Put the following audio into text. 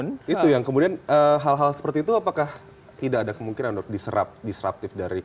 nah itu yang kemudian hal hal seperti itu apakah tidak ada kemungkinan untuk disruptif dari